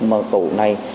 mà tổ này